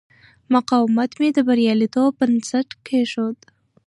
مقاومت مې د بریالیتوب بنسټ کېښود.